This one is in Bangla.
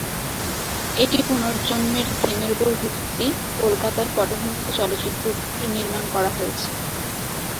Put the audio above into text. এটি পুনর্জন্মের থিমের উপর ভিত্তি কলকাতার পটভূমিতে চলচ্চিত্রটি নির্মাণ করা হয়েছে।